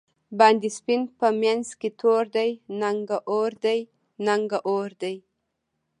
باندی سپین په منځ کی تور دی، نګه اوردی؛ نګه اوردی